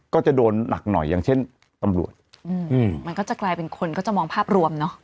ก็จะโดนหนักหน่อยอย่างเช่นตำรวจอืมมันก็จะกลายเป็นคนก็จะมองภาพรวมเนอะ